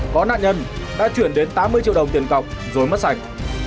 có nạn nhân đã chuyển đến tám mươi triệu đồng tiền cọc rồi mất sạch